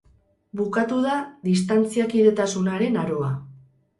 Bukatu da distantziakidetasunaren aroa.